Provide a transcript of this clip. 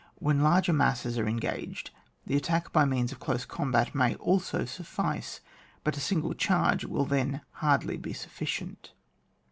When larger masses are en gaged, the attack by means of close com bat may also suffice, but a single charge will then hardly be sufficient.